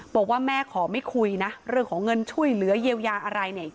บอกว่าแม่ขอไม่คุยนะเรื่องของเงินช่วยเหลือเยียวยาอะไรเนี่ย